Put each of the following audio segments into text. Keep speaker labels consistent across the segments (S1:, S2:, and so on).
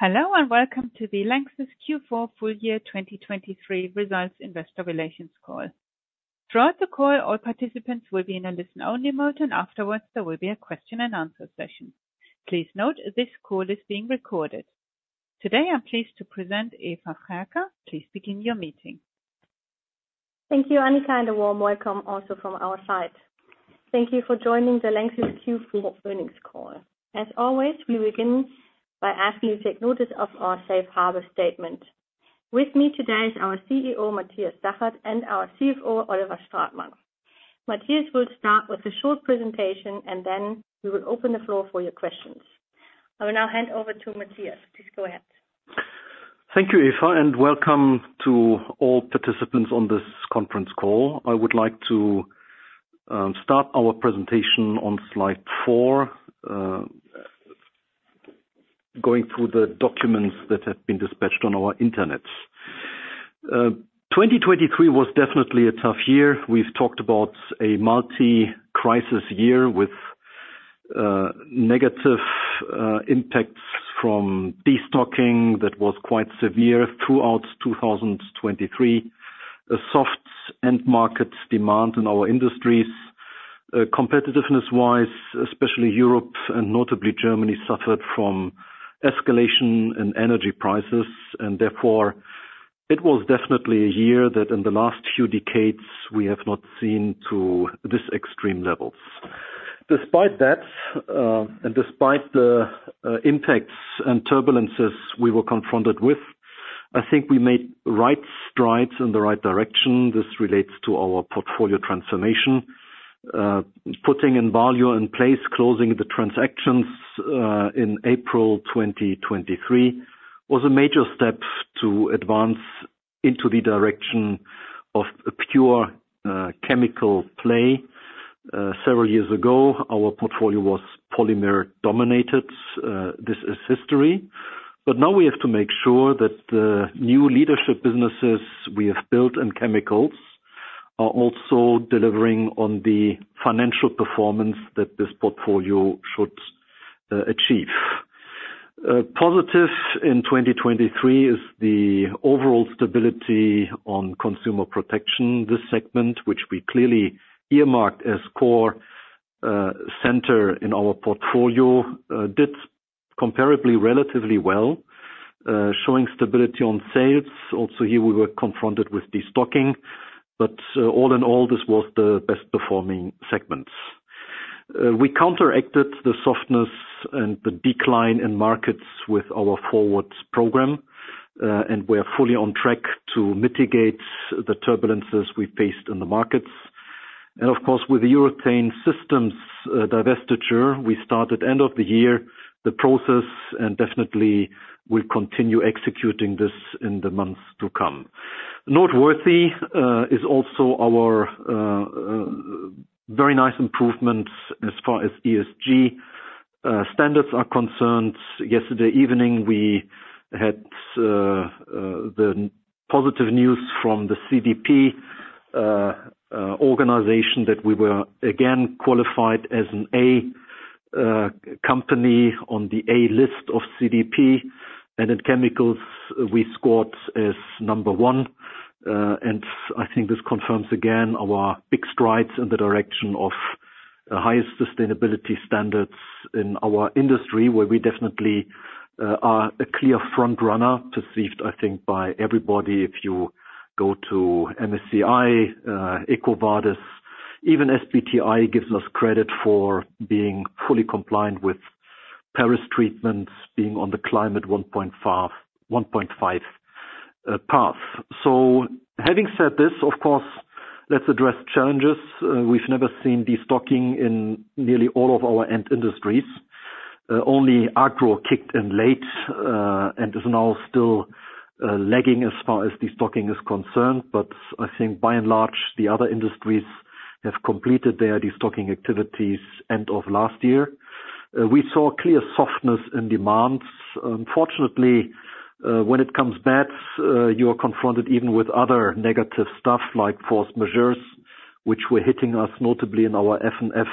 S1: Hello and welcome to the LANXESS Q4 FY 2023 Results Investor Relations Call. Throughout the call, all participants will be in a listen-only mode, and afterwards there will be a Q&A session. Please note, this call is being recorded. Today I'm pleased to present Eva Frerker. Please begin your meeting.
S2: Thank you, Annika, and a warm welcome also from our side. Thank you for joining the LANXESS Q4 Earnings Call. As always, we begin by asking you to take notice of our Safe Harbor statement. With me today is our CEO, Matthias Zachert, and our CFO, Oliver Stratmann. Matthias will start with a short presentation, and then we will open the floor for your questions. I will now hand over to Matthias. Please go ahead.
S3: Thank you, Eva, and welcome to all participants on this conference call. I would like to start our presentation on slide four, going through the documents that have been dispatched on our internet. 2023 was definitely a tough year. We've talked about a multi-crisis year with negative impacts from destocking that was quite severe throughout 2023, a soft end-market demand in our industries. Competitiveness-wise, especially Europe and notably Germany suffered from escalation in energy prices, and therefore it was definitely a year that in the last few decades we have not seen to this extreme levels. Despite that and despite the impacts and turbulences we were confronted with, I think we made right strides in the right direction. This relates to our portfolio transformation. Putting in value in place, closing the transactions in April 2023, was a major step to advance into the direction of pure chemical play. Several years ago, our portfolio was polymer-dominated. This is history. But now we have to make sure that the new leadership businesses we have built in chemicals are also delivering on the financial performance that this portfolio should achieve. Positive in 2023 is the overall stability on Consumer Protection. This segment, which we clearly earmarked as core center in our portfolio, did comparably relatively well, showing stability on sales. Also here, we were confronted with destocking. But all in all, this was the best-performing segment. We counteracted the softness and the decline in markets with our forward program, and we are fully on track to mitigate the turbulences we faced in the markets. And of course, with the Urethane Systems divestiture, we started end of the year the process and definitely will continue executing this in the months to come. Noteworthy is also our very nice improvements as far as ESG standards are concerned. Yesterday evening, we had the positive news from the CDP organization that we were again qualified as an A company on the A List of CDP. In chemicals, we scored as No. 1. And I think this confirms again our big strides in the direction of highest sustainability standards in our industry, where we definitely are a clear front-runner, perceived, I think, by everybody. If you go to MSCI, EcoVadis, even SBTi gives us credit for being fully compliant with Paris Agreement, being on the climate 1.5 path. Having said this, of course, let's address challenges. We've never seen destocking in nearly all of our end industries. Only agro kicked in late and is now still lagging as far as destocking is concerned. But I think by and large, the other industries have completed their destocking activities end of last year. We saw clear softness in demands. Fortunately, when it comes bad, you are confronted even with other negative stuff like force majeure, which were hitting us notably in our F&F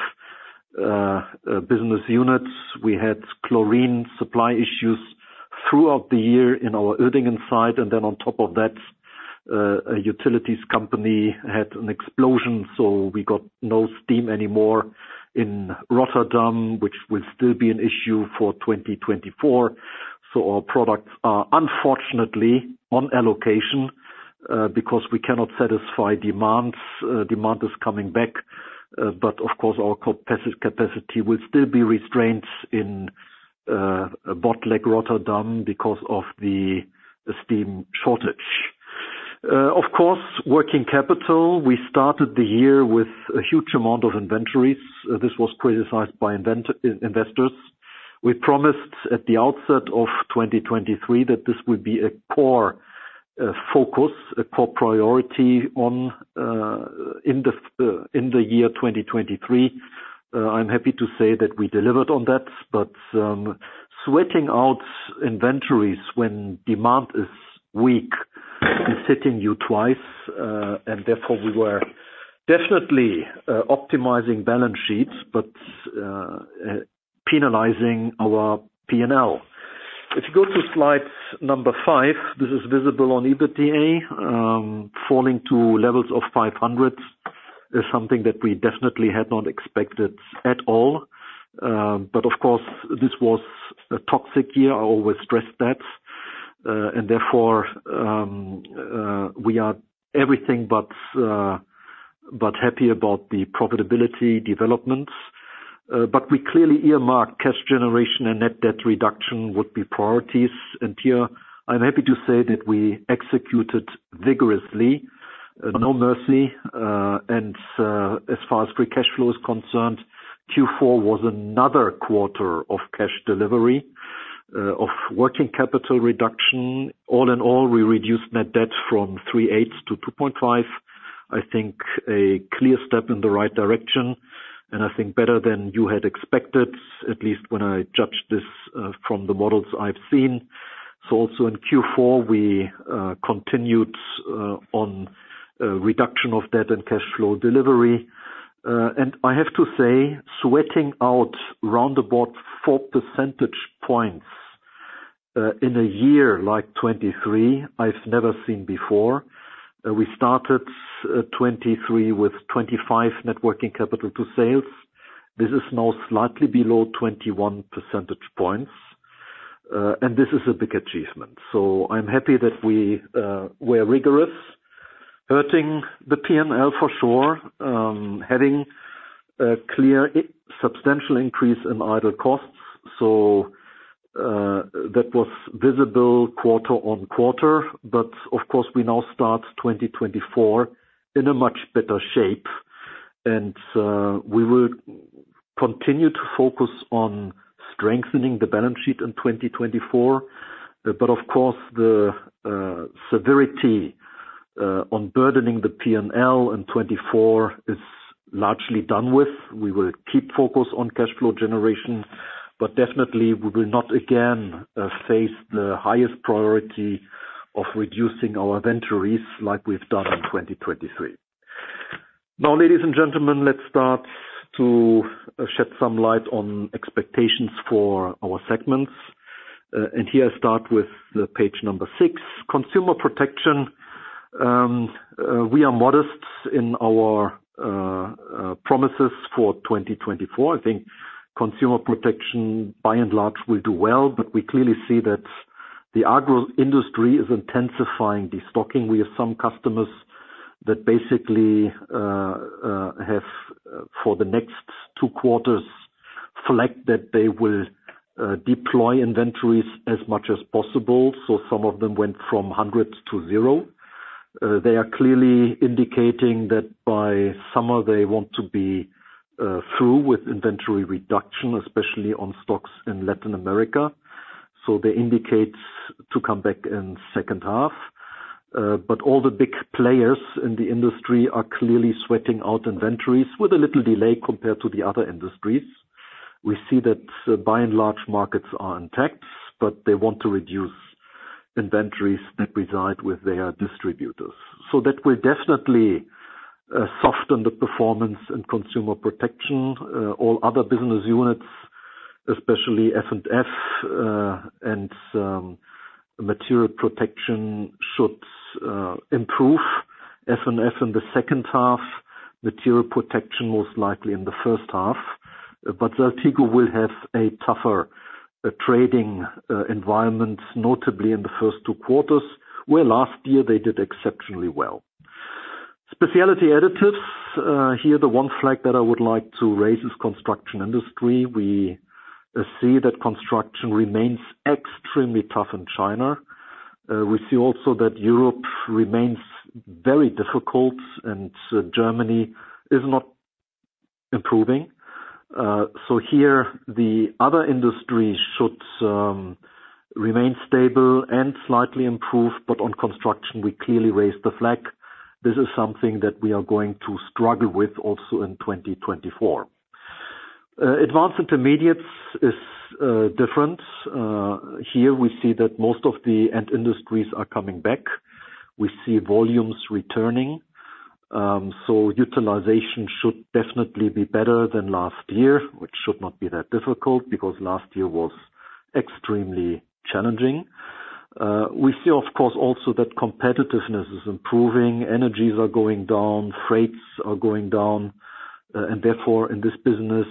S3: business units. We had chlorine supply issues throughout the year in our Uerdingen site. And then on top of that, a utilities company had an explosion, so we got no steam anymore in Rotterdam, which will still be an issue for 2024. So our products are unfortunately on allocation because we cannot satisfy demands. Demand is coming back. But of course, our capacity will still be restrained in Botlek, Rotterdam because of the steam shortage. Of course, working capital. We started the year with a huge amount of inventories. This was criticized by investors. We promised at the outset of 2023 that this would be a core focus, a core priority in the year 2023. I'm happy to say that we delivered on that. But sweating out inventories when demand is weak is hitting you twice. And therefore, we were definitely optimizing balance sheets but penalizing our P&L. If you go to slide five, this is visible on EBITDA. Falling to levels of 500 is something that we definitely had not expected at all. But of course, this was a toxic year. I always stress that. And therefore, we are everything but happy about the profitability developments. But we clearly earmarked cash generation and net debt reduction would be priorities. And here, I'm happy to say that we executed vigorously, no mercy. And as far as free cash flow is concerned, Q4 was another quarter of cash delivery of working capital reduction. All in all, we reduced net debt from 3.8 to 2.5, I think a clear step in the right direction. I think better than you had expected, at least when I judged this from the models I've seen. So also in Q4, we continued on reduction of debt and cash flow delivery. And I have to say, squeezing out roundabout 4 percentage points in a year like 2023, I've never seen before. We started 2023 with 25% net working capital to sales. This is now slightly below 21 percentage points. And this is a big achievement. So I'm happy that we were rigorous, hurting the P&L for sure, having a clear substantial increase in idle costs. So that was visible quarter-on-quarter. But of course, we now start 2024 in a much better shape. And we will continue to focus on strengthening the balance sheet in 2024. But of course, the severity on burdening the P&L in 2024 is largely done with. We will keep focus on cash flow generation. But definitely, we will not again face the highest priority of reducing our inventories like we've done in 2023. Now, ladies and gentlemen, let's start to shed some light on expectations for our segments. Here I start with page 6, Consumer Protection. We are modest in our promises for 2024. I think Consumer Protection, by and large, will do well. But we clearly see that the agro industry is intensifying destocking. We have some customers that basically have, for the next two quarters, flagged that they will deploy inventories as much as possible. So some of them went from 100 to 0. They are clearly indicating that by summer, they want to be through with inventory reduction, especially on stocks in Latin America. So they indicate to come back in second half. But all the big players in the industry are clearly sweating out inventories with a little delay compared to the other industries. We see that, by and large, markets are intact, but they want to reduce inventories that reside with their distributors. So that will definitely soften the performance in Consumer Protection. All other business units, especially F&F and Material Protection, should improve. F&F in the second half, Material Protection most likely in the first half. But Saltigo will have a tougher trading environment, notably in the first two quarters, where last year they did exceptionally well. Specialty Additives. Here, the one flag that I would like to raise is construction industry. We see that construction remains extremely tough in China. We see also that Europe remains very difficult, and Germany is not improving. So here, the other industries should remain stable and slightly improve. But on construction, we clearly raised the flag. This is something that we are going to struggle with also in 2024. Advanced Intermediates is different. Here, we see that most of the end industries are coming back. We see volumes returning. So utilization should definitely be better than last year, which should not be that difficult because last year was extremely challenging. We see, of course, also that competitiveness is improving. Energies are going down. Freights are going down. And therefore, in this business,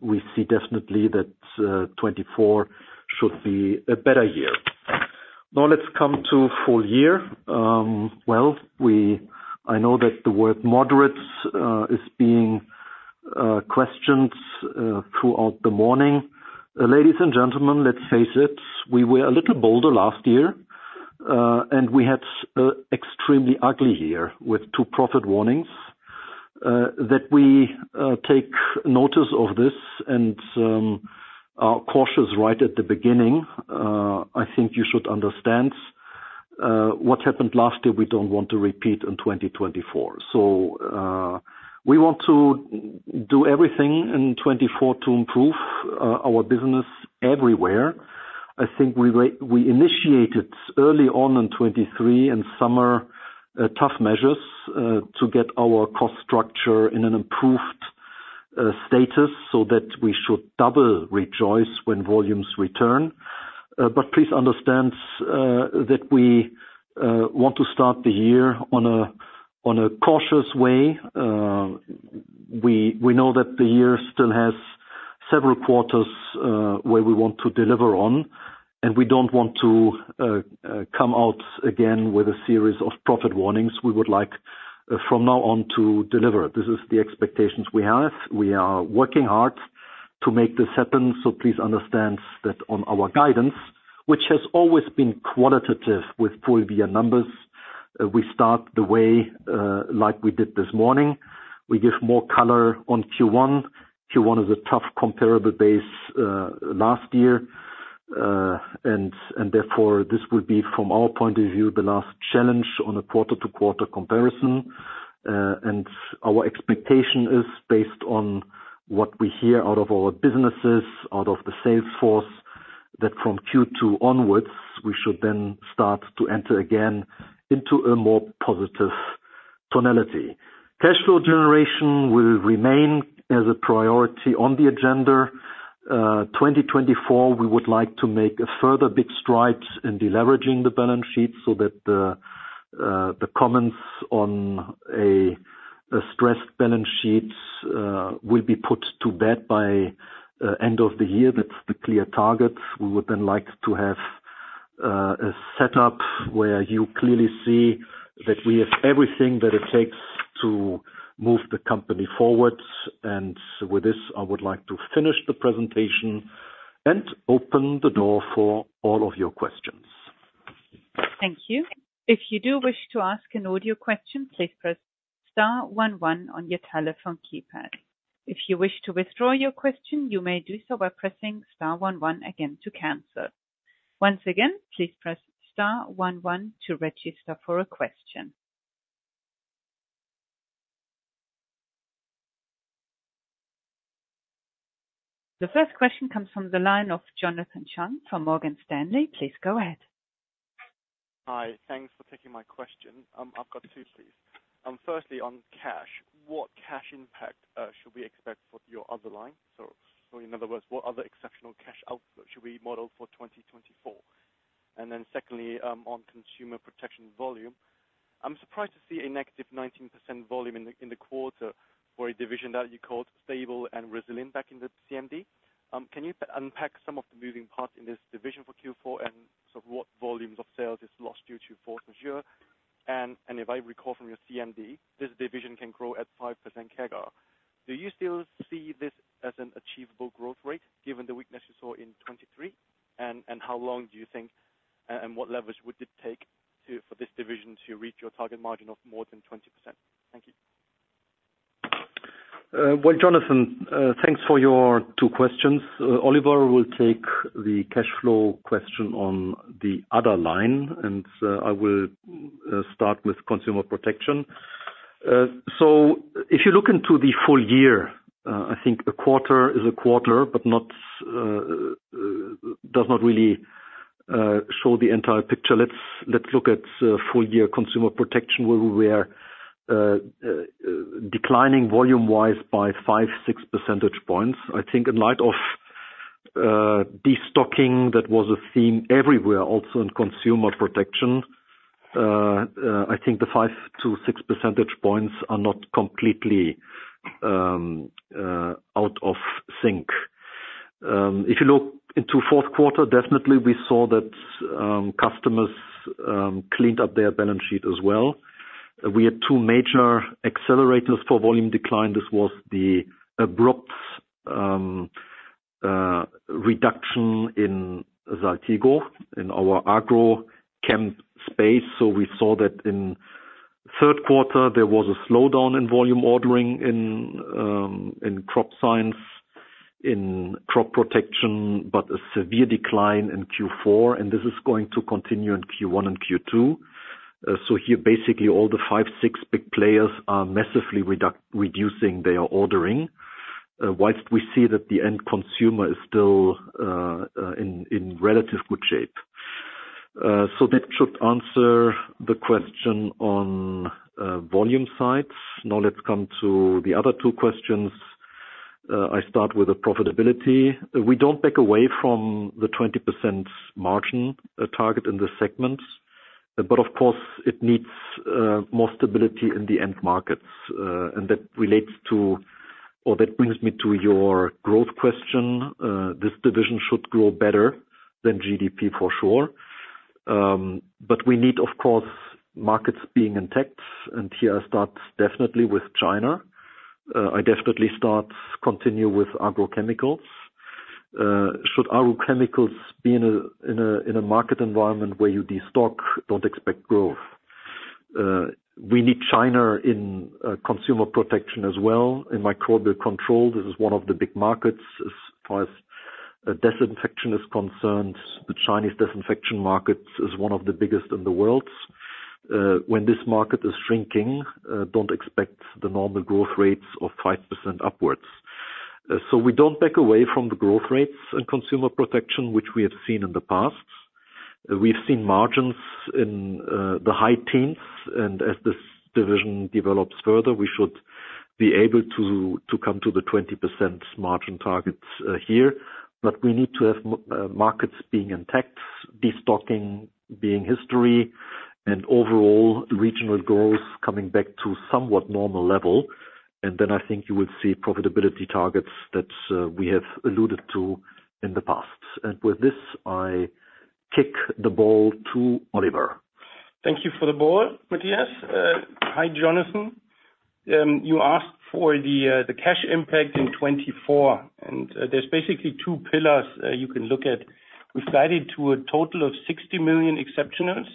S3: we see definitely that 2024 should be a better year. Now, let's come to full year. Well, I know that the word moderates is being questioned throughout the morning. Ladies and gentlemen, let's face it. We were a little bolder last year, and we had an extremely ugly year with two profit warnings. That we take notice of this and are cautious right at the beginning, I think you should understand. What happened last year, we don't want to repeat in 2024. So we want to do everything in 2024 to improve our business everywhere. I think we initiated early on in 2023 and summer tough measures to get our cost structure in an improved status so that we should double rejoice when volumes return. But please understand that we want to start the year on a cautious way. We know that the year still has several quarters where we want to deliver on. And we don't want to come out again with a series of profit warnings. We would like, from now on, to deliver. This is the expectations we have. We are working hard to make this happen. So please understand that on our guidance, which has always been qualitative with full year numbers, we start the way like we did this morning. We give more color on Q1. Q1 is a tough comparable base last year. And therefore, this will be, from our point of view, the last challenge on a quarter-to-quarter comparison. And our expectation is, based on what we hear out of our businesses, out of the sales force, that from Q2 onwards, we should then start to enter again into a more positive tonality. Cash flow generation will remain as a priority on the agenda. 2024, we would like to make a further big stride in deleveraging the balance sheet so that the comments on a stressed balance sheet will be put to bed by end of the year. That's the clear target. We would then like to have a setup where you clearly see that we have everything that it takes to move the company forward. With this, I would like to finish the presentation and open the door for all of your questions.
S1: Thank you. If you do wish to ask an audio question, please press star one one on your telephone keypad. If you wish to withdraw your question, you may do so by pressing star one one again to cancel. Once again, please press star one one to register for a question. The first question comes from the line of Jonathan Chung from Morgan Stanley. Please go ahead.
S4: Hi. Thanks for taking my question. I've got two, please. Firstly, on cash, what cash impact should we expect for your other line? So in other words, what other exceptional cash output should we model for 2024? And then secondly, on Consumer Protection volume, I'm surprised to see a negative 19% volume in the quarter for a division that you called stable and resilient back in the CMD. Can you unpack some of the moving parts in this division for Q4 and sort of what volumes of sales is lost due to force majeure? And if I recall from your CMD, this division can grow at 5% CAGR. Do you still see this as an achievable growth rate given the weakness you saw in 2023? How long do you think and what levers would it take for this division to reach your target margin of more than 20%? Thank you.
S3: Well, Jonathan, thanks for your two questions. Oliver will take the cash flow question on the other line. I will start with consumer protection. If you look into the full year, I think a quarter is a quarter but does not really show the entire picture. Let's look at full year consumer protection, where we were declining volume-wise by 5-6 percentage points. I think in light of destocking, that was a theme everywhere, also in consumer protection. I think the 5-6 percentage points are not completely out of sync. If you look into fourth quarter, definitely, we saw that customers cleaned up their balance sheet as well. We had two major accelerators for volume decline. This was the abrupt reduction in Saltigo, in our Agrochem Space. So we saw that in third quarter, there was a slowdown in volume ordering in crop science, in crop protection, but a severe decline in Q4. And this is going to continue in Q1 and Q2. So here, basically, all the five, six big players are massively reducing their ordering whilst we see that the end consumer is still in relative good shape. So that should answer the question on volume sides. Now, let's come to the other two questions. I start with the profitability. We don't back away from the 20% margin target in this segment. But of course, it needs more stability in the end markets. And that relates to or that brings me to your growth question. This division should grow better than GDP, for sure. But we need, of course, markets being intact. And here I start definitely with China. I definitely start continue with agrochemicals. Should agrochemicals be in a market environment where you destocking, don't expect growth? We need China in Consumer Protection as well, in Microbial Control. This is one of the big markets as far as disinfection is concerned. The Chinese disinfection market is one of the biggest in the world. When this market is shrinking, don't expect the normal growth rates of 5% upwards. So we don't back away from the growth rates in Consumer Protection, which we have seen in the past. We've seen margins in the high teens. And as this division develops further, we should be able to come to the 20% margin targets here. But we need to have markets being intact, destocking being history, and overall regional growth coming back to somewhat normal level. And then I think you will see profitability targets that we have alluded to in the past. And with this, I kick the ball to Oliver.
S5: Thank you for the ball, Matthias. Hi, Jonathan. You asked for the cash impact in 2024. There's basically two pillars you can look at. We've guided to a total of 60 million exceptionals.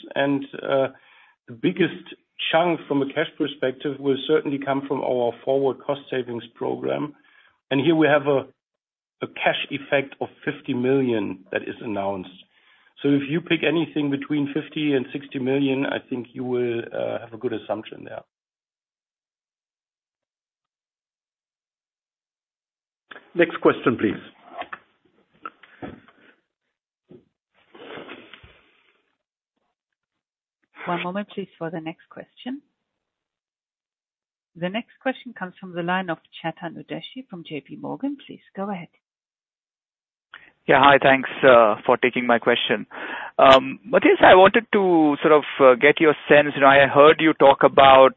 S5: The biggest chunk from a cash perspective will certainly come from our forward cost-savings program. Here, we have a cash effect of 50 million that is announced. If you pick anything between 50 million and 60 million, I think you will have a good assumption there.
S3: Next question, please.
S1: One moment, please, for the next question. The next question comes from the line of Chetan Udeshi from J.P. Morgan. Please go ahead.
S6: Yeah. Hi. Thanks for taking my question. Matthias, I wanted to sort of get your sense. I heard you talk about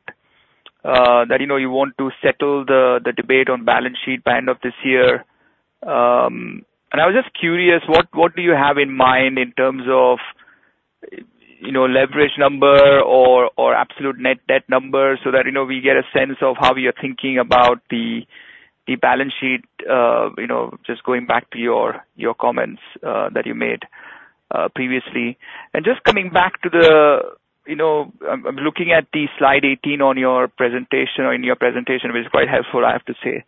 S6: that you want to settle the debate on balance sheet by end of this year. And I was just curious, what do you have in mind in terms of leverage number or absolute net debt number so that we get a sense of how you're thinking about the balance sheet? Just going back to your comments that you made previously. And just coming back to, I'm looking at slide 18 on your presentation or in your presentation, which is quite helpful, I have to say.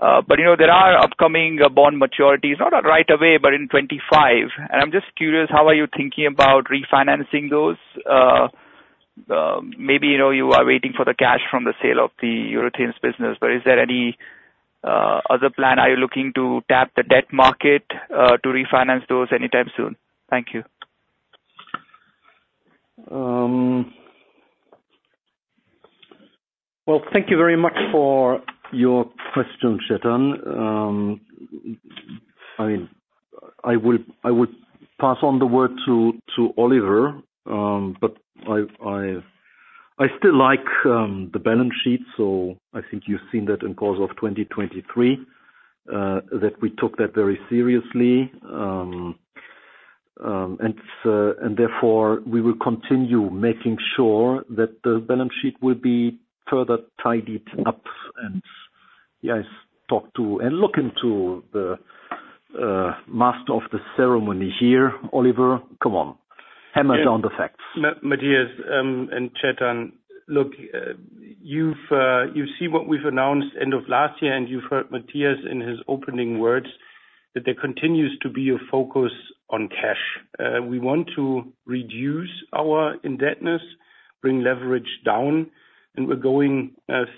S6: But there are upcoming bond maturities, not right away, but in 2025. And I'm just curious, how are you thinking about refinancing those? Maybe you are waiting for the cash from the sale of the Urethane business. But is there any other plan? Are you looking to tap the debt market to refinance those anytime soon? Thank you.
S3: Well, thank you very much for your question, Chetan. I mean, I would pass on the word to Oliver. I still like the balance sheet. I think you've seen that in the course of 2023, that we took that very seriously. Therefore, we will continue making sure that the balance sheet will be further tidied up. Yeah, I turn to and look to the master of ceremonies here, Oliver. Come on. Hammer down the facts.
S5: Matthias and Chetan, look, you've seen what we've announced end of last year. You've heard Matthias in his opening words that there continues to be a focus on cash. We want to reduce our indebtedness, bring leverage down. We're going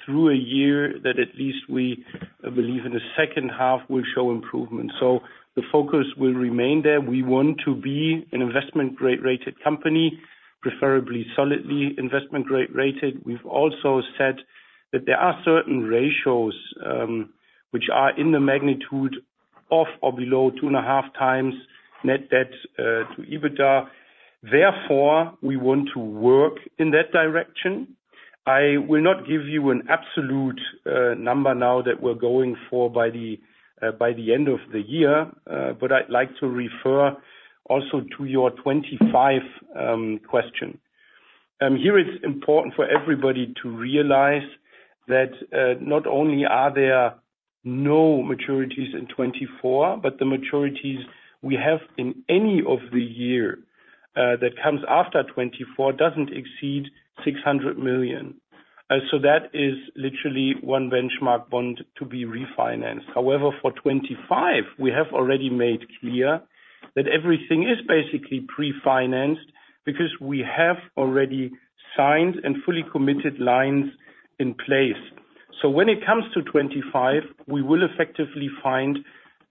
S5: through a year that at least we believe in the second half will show improvement. The focus will remain there. We want to be an investment-grade rated company, preferably solidly investment-grade rated. We've also said that there are certain ratios which are in the magnitude of or below 2.5x net debt to EBITDA. Therefore, we want to work in that direction. I will not give you an absolute number now that we're going for by the end of the year. But I'd like to refer also to your 2025 question. Here, it's important for everybody to realize that not only are there no maturities in 2024, but the maturities we have in any of the year that comes after 2024 doesn't exceed 600 million. So that is literally one benchmark bond to be refinanced. However, for 2025, we have already made clear that everything is basically pre-financed because we have already signed and fully committed lines in place. So when it comes to 2025, we will effectively find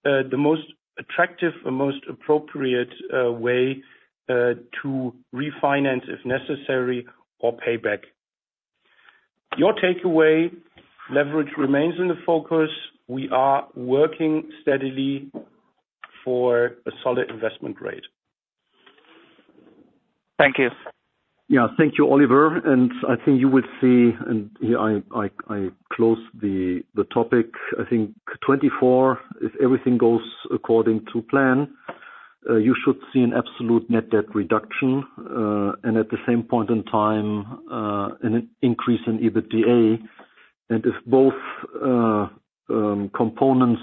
S5: the most attractive, the most appropriate way to refinance if necessary or pay back. Your takeaway, leverage remains in the focus. We are working steadily for a solid investment grade.
S6: Thank you.
S3: Yeah. Thank you, Oliver. And I think you will see, and here, I close the topic. I think 2024, if everything goes according to plan, you should see an absolute net debt reduction and at the same point in time, an increase in EBITDA. And if both components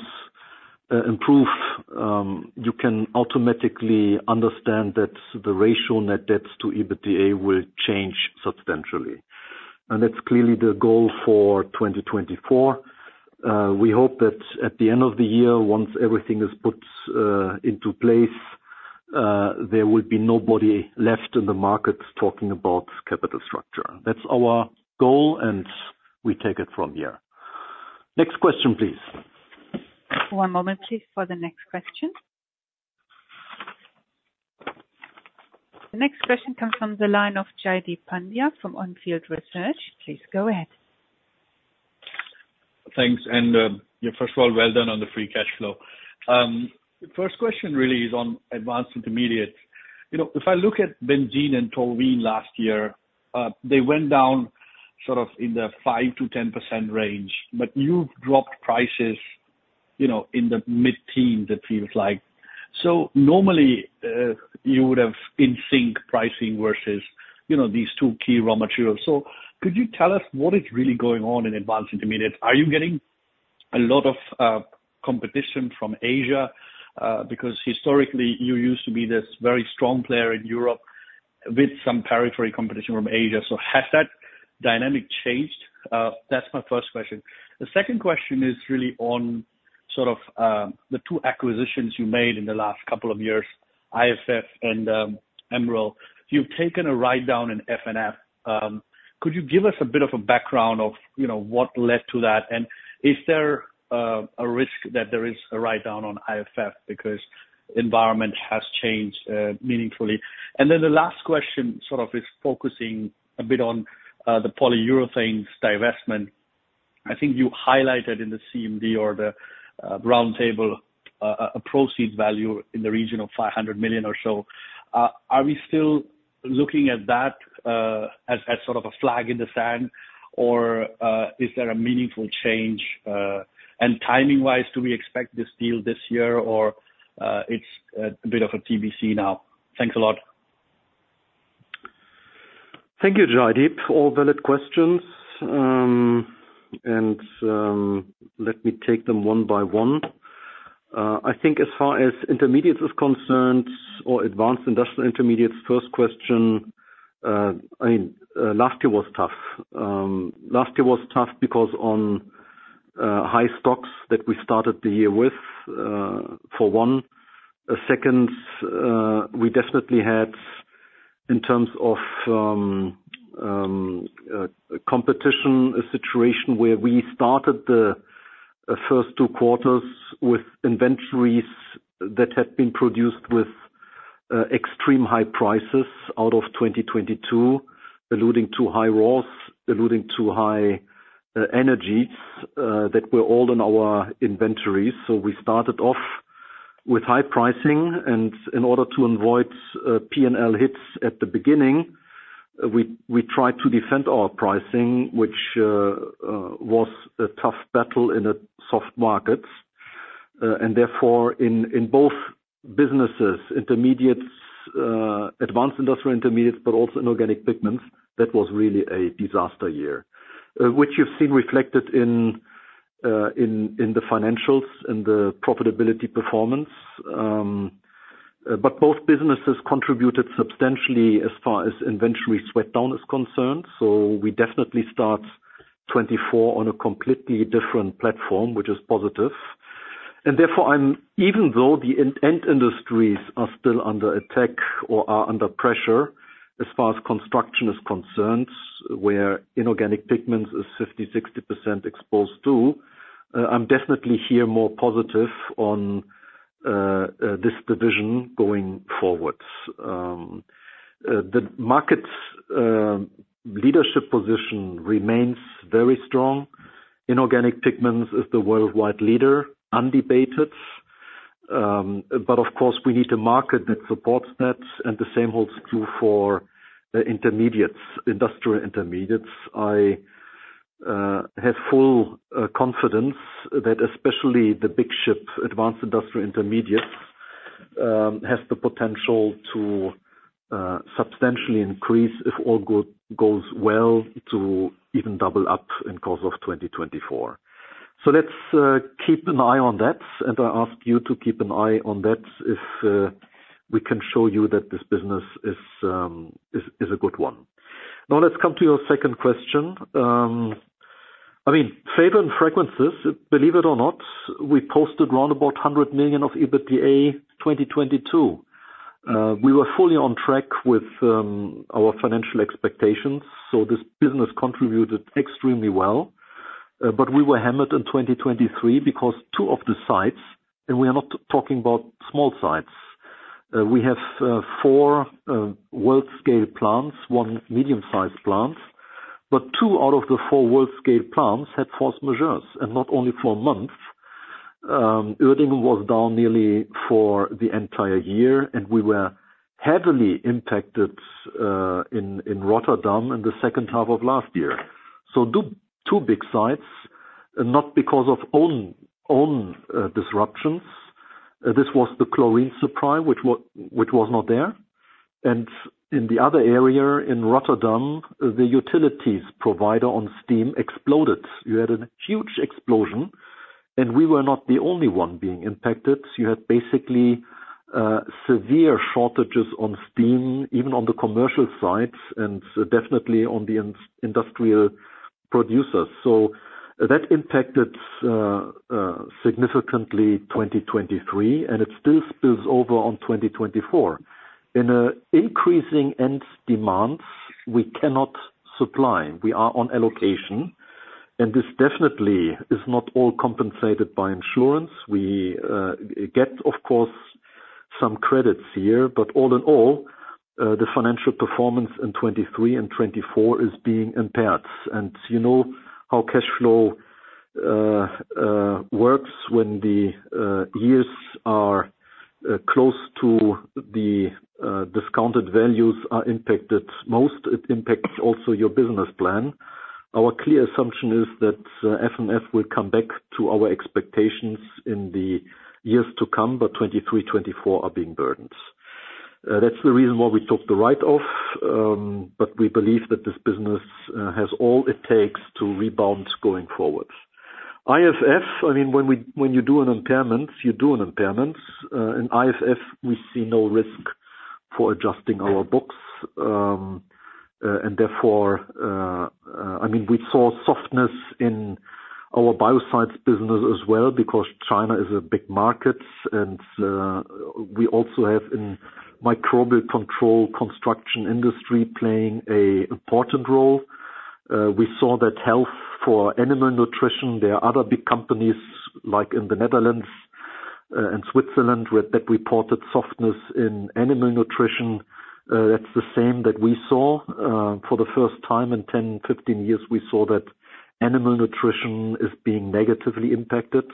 S3: improve, you can automatically understand that the ratio net debts to EBITDA will change substantially. And that's clearly the goal for 2024. We hope that at the end of the year, once everything is put into place, there will be nobody left in the markets talking about capital structure. That's our goal. And we take it from here. Next question, please.
S1: One moment, please, for the next question. The next question comes from the line of Jaideep Pandya from Onfield Research. Please go ahead.
S7: Thanks. Yeah, first of all, well done on the Free Cash Flow. First question really is on Advanced Intermediates. If I look at Benzene and Toluene last year, they went down sort of in the 5%-10% range. But you've dropped prices in the mid-teens, it feels like. So normally, you would have in sync pricing versus these two key raw materials. So could you tell us what is really going on in Advanced Intermediates? Are you getting a lot of competition from Asia? Because historically, you used to be this very strong player in Europe with some periphery competition from Asia. So has that dynamic changed? That's my first question. The second question is really on sort of the two acquisitions you made in the last couple of years, IFF and Emerald. You've taken a write-down in F&F. Could you give us a bit of a background of what led to that? And is there a risk that there is a write-down on IFF because the environment has changed meaningfully? And then the last question sort of is focusing a bit on the polyurethane divestment. I think you highlighted in the CMD or the roundtable a proceeds value in the region of 500 million or so. Are we still looking at that as sort of a flag in the sand? Or is there a meaningful change? And timing-wise, do we expect this deal this year? Or it's a bit of a TBC now? Thanks a lot.
S3: Thank you, Jaideep. All valid questions. And let me take them one by one. I think as far as intermediates is concerned or Advanced Industrial Intermediates, first question, I mean, last year was tough. Last year was tough because on high stocks that we started the year with, for one. Second, we definitely had, in terms of competition, a situation where we started the first two quarters with inventories that had been produced with extreme high prices out of 2022, alluding to high ROAS, alluding to high energies that were all in our inventories. So we started off with high pricing. And in order to avoid P&L hits at the beginning, we tried to defend our pricing, which was a tough battle in soft markets. Therefore, in both businesses, intermediates, Advanced Industrial Intermediates, but also in Inorganic Pigments, that was really a disaster year, which you've seen reflected in the financials and the profitability performance. Both businesses contributed substantially as far as inventory drawdown is concerned. We definitely start 2024 on a completely different platform, which is positive. Therefore, even though the end industries are still under attack or are under pressure as far as construction is concerned, where Inorganic Pigments is 50%-60% exposed to, I'm definitely here more positive on this division going forward. The market's leadership position remains very strong. Inorganic Pigments is the worldwide leader, undebated. Of course, we need a market that supports that. The same holds true for intermediates, industrial intermediates. I have full confidence that especially the big ship, Advanced Industrial Intermediates, has the potential to substantially increase, if all goes well, to even double up in course of 2024. So let's keep an eye on that. I ask you to keep an eye on that if we can show you that this business is a good one. Now, let's come to your second question. I mean, Flavors and Fragrances, believe it or not, we posted around 100 million of EBITDA 2022. We were fully on track with our financial expectations. So this business contributed extremely well. But we were hammered in 2023 because two of the sites and we are not talking about small sites. We have four world-scale plants, one medium-sized plant. But two out of the four world-scale plants had force majeure. And not only for a month. Uerdingen was down nearly for the entire year. We were heavily impacted in Rotterdam in the second half of last year. Two big sites, not because of own disruptions. This was the chlorine supply, which was not there. In the other area, in Rotterdam, the utilities provider on steam exploded. You had a huge explosion. We were not the only one being impacted. You had basically severe shortages on steam, even on the commercial sites and definitely on the industrial producers. That impacted significantly 2023. It still spills over on 2024. In an increasing end demands, we cannot supply. We are on allocation. This definitely is not all compensated by insurance. We get, of course, some credits here. But all in all, the financial performance in 2023 and 2024 is being impaired. You know how cash flow works when the years are close to the discounted values are impacted most. It impacts also your business plan. Our clear assumption is that F&F will come back to our expectations in the years to come. But 2023, 2024 are being burdened. That's the reason why we took the write-off. But we believe that this business has all it takes to rebound going forward. IFF, I mean, when you do an impairment, you do an impairment. In IFF, we see no risk for adjusting our books. And therefore, I mean, we saw softness in our biocides business as well because China is a big market. And we also have in microbial control construction industry playing an important role. We saw that softness for animal nutrition. There are other big companies, like in the Netherlands and Switzerland, that reported softness in animal nutrition. That's the same that we saw. For the first time in 10, 15 years, we saw that animal nutrition is being negatively impacted.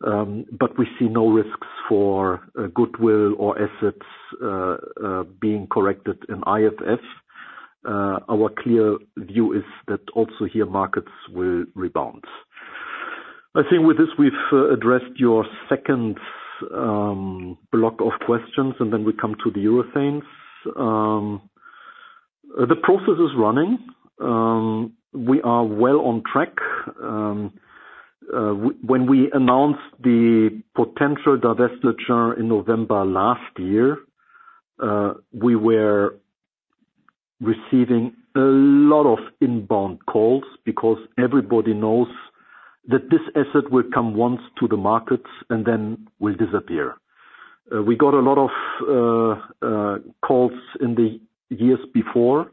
S3: But we see no risks for goodwill or assets being corrected in IFF. Our clear view is that also here, markets will rebound. I think with this, we've addressed your second block of questions. And then we come to the urethanes. The process is running. We are well on track. When we announced the potential divestiture in November last year, we were receiving a lot of inbound calls because everybody knows that this asset will come once to the markets and then will disappear. We got a lot of calls in the years before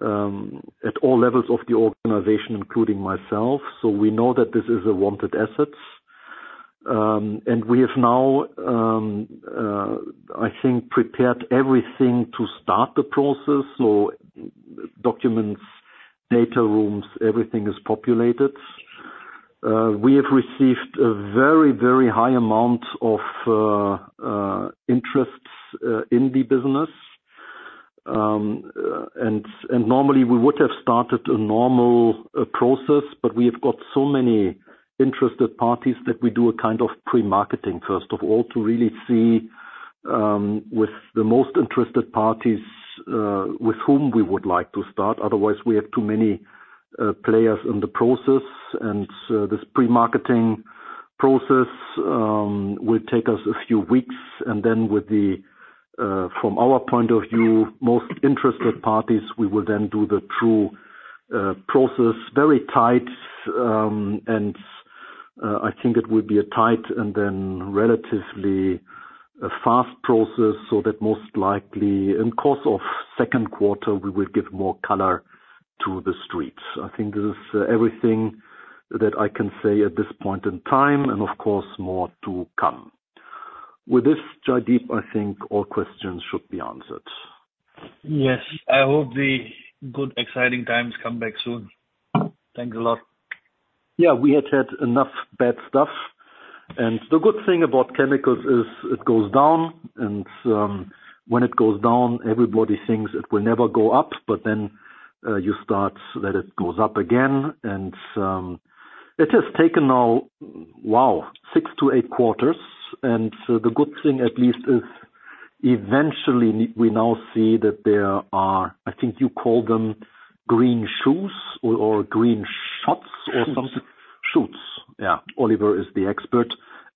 S3: at all levels of the organization, including myself. So we know that this is a wanted asset. And we have now, I think, prepared everything to start the process. Documents, data rooms, everything is populated. We have received a very, very high amount of interest in the business. Normally, we would have started a normal process. But we have got so many interested parties that we do a kind of pre-marketing, first of all, to really see with the most interested parties with whom we would like to start. Otherwise, we have too many players in the process. This pre-marketing process will take us a few weeks. Then from our point of view, most interested parties, we will then do the true process, very tight. I think it will be a tight and then relatively fast process so that most likely, in course of second quarter, we will give more color to the streets. I think this is everything that I can say at this point in time. Of course, more to come. With this, Jaideep, I think all questions should be answered.
S7: Yes. I hope the good, exciting times come back soon. Thanks a lot.
S3: Yeah. We had had enough bad stuff. The good thing about chemicals is it goes down. When it goes down, everybody thinks it will never go up. But then you start that it goes up again. It has taken now, wow, six-eight quarters. The good thing, at least, is eventually, we now see that there are, I think you call them green shoes or green shots or something.
S7: Shoots.
S3: Shoots. Yeah. Oliver is the expert.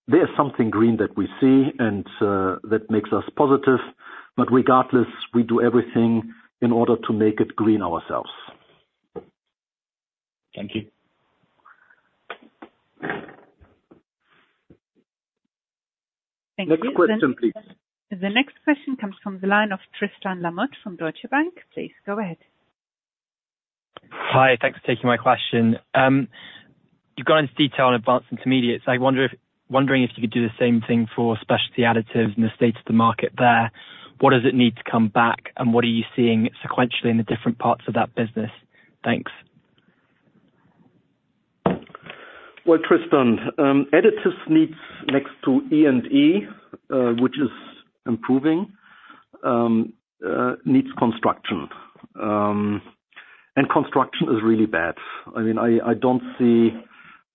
S3: There's something green that we see. That makes us positive. Regardless, we do everything in order to make it green ourselves.
S7: Thank you.
S1: Thank you.
S3: Next question, please.
S1: The next question comes from the line of Tristan Lamotte from Deutsche Bank. Please go ahead.
S8: Hi. Thanks for taking my question. You've gone into detail on advanced intermediates. I'm wondering if you could do the same thing for specialty additives and the state of the market there. What does it need to come back? And what are you seeing sequentially in the different parts of that business? Thanks.
S3: Well, Tristan, additives needs, next to E&E, which is improving, needs construction. And construction is really bad. I mean, I don't see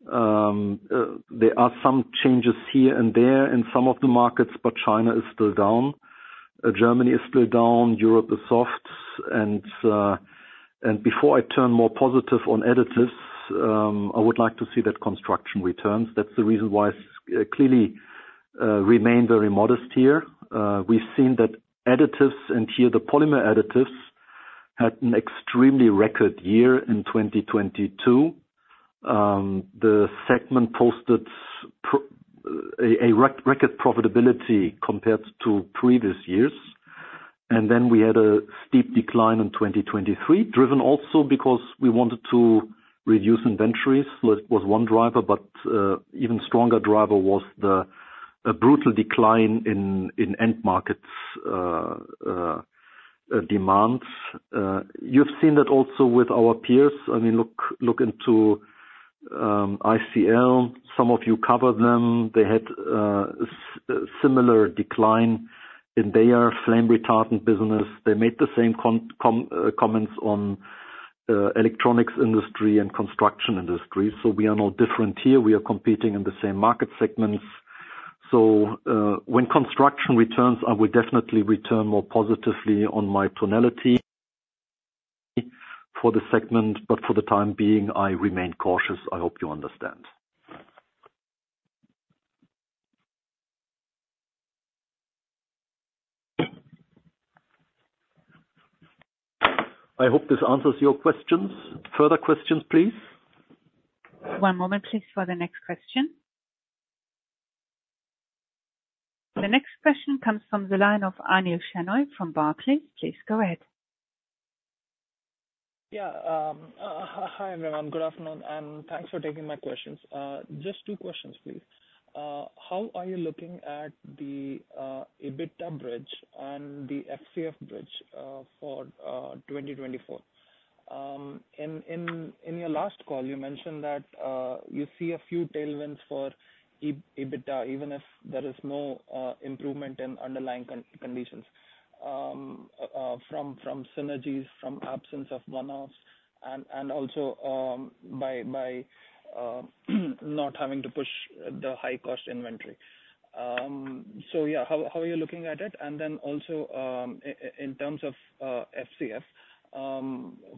S3: there are some changes here and there in some of the markets. But China is still down. Germany is still down. Europe is soft. And before I turn more positive on additives, I would like to see that construction returns. That's the reason why I clearly remain very modest here. We've seen that additives and here, the Polymer Additives had an extremely record year in 2022. The segment posted a record profitability compared to previous years. And then we had a steep decline in 2023, driven also because we wanted to reduce inventories. So it was one driver. But even stronger driver was the brutal decline in end markets demands. You've seen that also with our peers. I mean, look into ICL. Some of you covered them. They had a similar decline in their flame-retardant business. They made the same comments on electronics industry and construction industry. We are not different here. We are competing in the same market segments. When construction returns, I will definitely return more positively on my tonality for the segment. But for the time being, I remain cautious. I hope you understand. I hope this answers your questions. Further questions, please.
S1: One moment, please, for the next question. The next question comes from the line of Anil Shenoy from Barclays. Please go ahead.
S9: Yeah. Hi, everyone. Good afternoon. Thanks for taking my questions. Just two questions, please. How are you looking at the EBITDA bridge and the FCF bridge for 2024? In your last call, you mentioned that you see a few tailwinds for EBITDA, even if there is no improvement in underlying conditions from synergies, from absence of one-offs, and also by not having to push the high-cost inventory. So yeah, how are you looking at it? Then also, in terms of FCF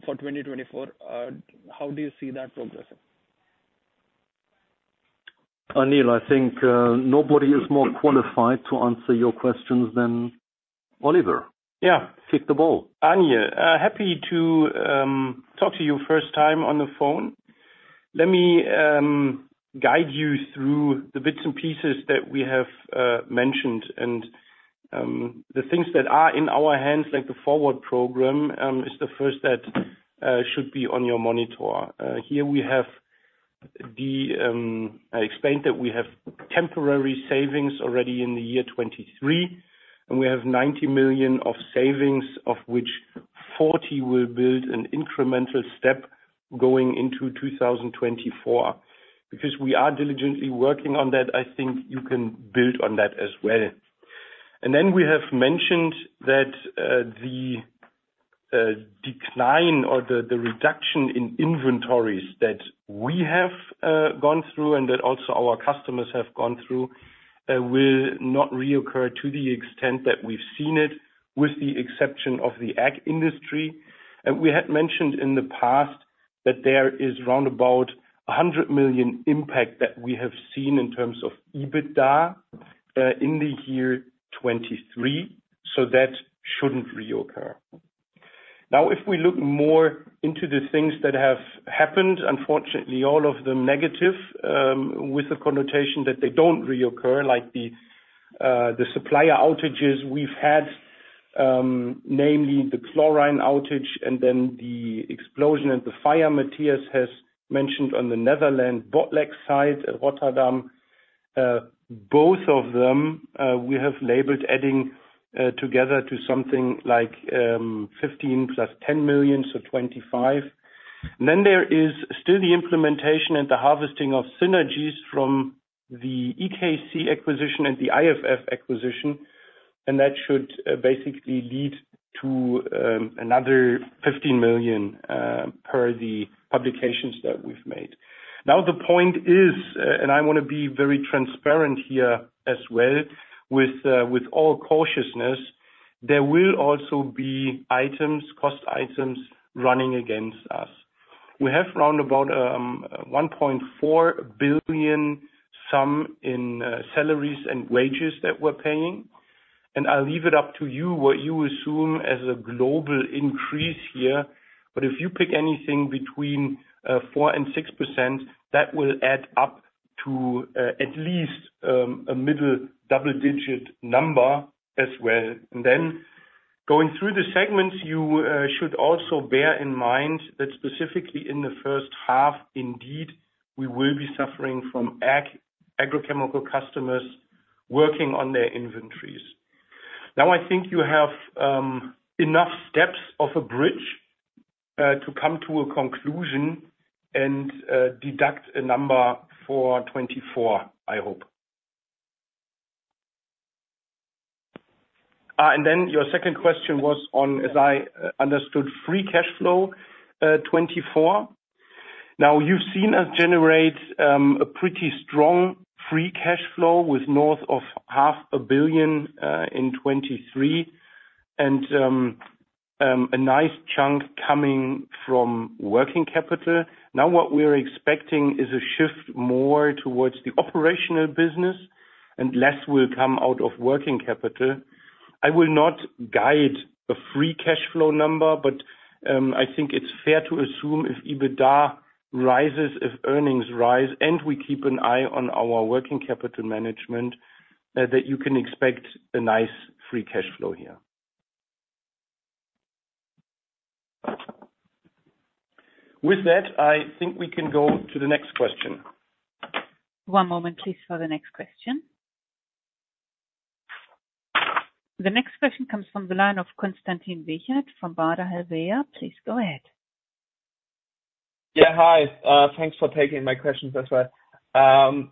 S9: for 2024, how do you see that progressing?
S3: Anil, I think nobody is more qualified to answer your questions than Oliver, kick the ball.
S5: Yeah. Anil, happy to talk to you first time on the phone. Let me guide you through the bits and pieces that we have mentioned. The things that are in our hands, like the forward program, is the first that should be on your monitor. Here, I explained that we have temporary savings already in the year 2023. We have 90 million of savings, of which 40 million will build an incremental step going into 2024. Because we are diligently working on that, I think you can build on that as well. Then we have mentioned that the decline or the reduction in inventories that we have gone through and that also our customers have gone through will not reoccur to the extent that we've seen it, with the exception of the ag industry. We had mentioned in the past that there is around 100 million impact that we have seen in terms of EBITDA in the year 2023. So that shouldn't reoccur. Now, if we look more into the things that have happened, unfortunately, all of them negative with the connotation that they don't reoccur, like the supplier outages we've had, namely the chlorine outage and then the explosion and the fire Matthias has mentioned on the Netherlands Botlek site at Rotterdam, both of them we have labeled adding together to something like 15 million + 10 million, so 25 million. Then there is still the implementation and the harvesting of synergies from the EKC acquisition and the IFF acquisition. That should basically lead to another 15 million per the publications that we've made. Now, the point is, and I want to be very transparent here as well, with all cautiousness, there will also be items, cost items, running against us. We have round about 1.4 billion in salaries and wages that we're paying. And I'll leave it up to you what you assume as a global increase here. But if you pick anything between 4%-6%, that will add up to at least a middle double-digit number as well. And then going through the segments, you should also bear in mind that specifically in the first half, indeed, we will be suffering from agrochemical customers working on their inventories. Now, I think you have enough steps of a bridge to come to a conclusion and deduct a number for 2024, I hope. And then your second question was on, as I understood, free cash flow 2024. Now, you've seen us generate a pretty strong free cash flow with north of 500 million in 2023 and a nice chunk coming from working capital. Now, what we're expecting is a shift more towards the operational business. And less will come out of working capital. I will not guide a free cash flow number. But I think it's fair to assume if EBITDA rises, if earnings rise, and we keep an eye on our working capital management, that you can expect a nice free cash flow here. With that, I think we can go to the next question.
S1: One moment, please, for the next question. The next question comes from the line of Konstantin Wiechert from Baader Helvea. Please go ahead.
S10: Yeah. Hi. Thanks for taking my questions as well.